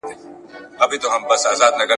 موسم به راسي د ګل غونډیو !.